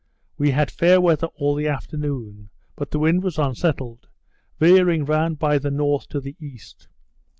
We had fair weather all the afternoon, but the wind was unsettled, veering round by the north to the east.